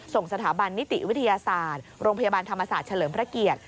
ส่งสถาบันนิติวิทยาศาสตร์โรงพยาบาลธรรมศาสตร์เฉลิมพระเกียรติ